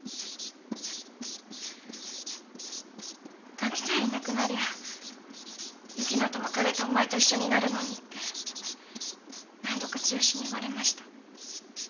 ガキさえいなくなりゃ由樹奈と別れてお前と一緒になるのにって何度か剛に言われました。